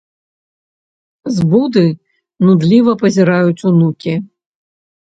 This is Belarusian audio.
З буды нудліва пазіраюць унукі.